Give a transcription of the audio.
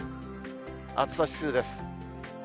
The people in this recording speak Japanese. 暑さ指数です。